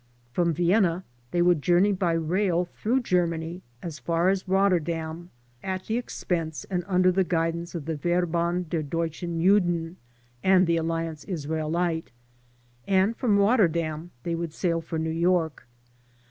From Vienna they would journey by rail through Germany as far as Rotterdam, at the expense and under the guidance of the Verband der Deutschen Juden and the Alliance Israelite, and from Rotterdam they would sail for New York.